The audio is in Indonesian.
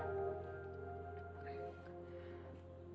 jadi kenapa dong sayang